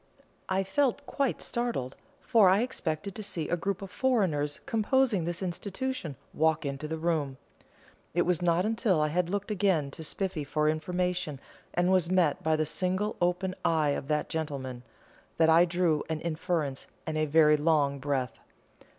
I felt quite startled, for I expected to see a group of foreigners composing this institution walk into the room. It was not until I had looked again to Spiffy for information, and was met by the single open eye of that gentleman, that I drew an inference and a very long breath.